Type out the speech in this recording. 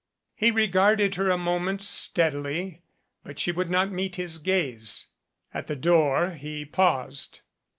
He regarded her a moment steadily, but she would not meet his gaze. 'At the door he paused.